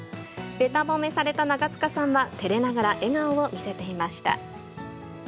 べた褒めされた長塚さんは、てれながら、笑顔を見せていました。